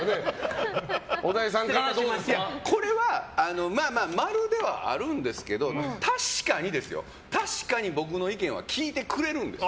これは○ではあるんですけど確かに僕の意見は聞いてくれるんです。